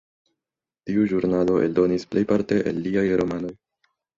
Tiu ĵurnalo eldonis plejparte el liaj romanoj.